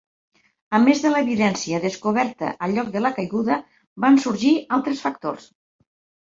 A més de l'evidència descoberta al lloc de la caiguda, van sorgir altres factors.